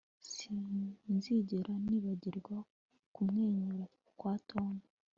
Sinzigera nibagirwa kumwenyura kwa Tom